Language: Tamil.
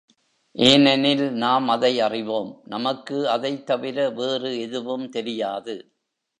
ஏனெனில் நாம் அதை அறிவோம் நமக்கு அதைத் தவிர வேறு எதுவும் தெரியாது.